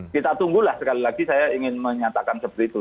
kita tunggulah sekali lagi saya ingin menyatakan seperti itu